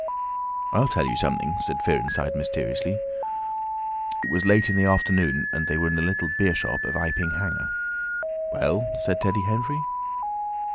"I'll tell you something," said Fearenside, mysteriously. It was late in the afternoon, and they were in the little beer shop of Iping Hanger. "Well?" said Teddy Henfrey.